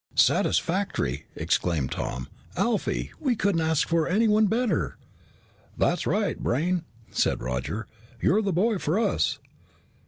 "Satisfactory!" exclaimed Tom. "Alfie, we couldn't ask for anyone better." "That's right, Brain," said Roger. "You're the boy for us."